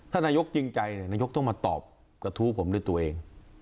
ถ้านายกจริงใจนายกต้องมาตอบกระทู้ผมด้วยตัวเอง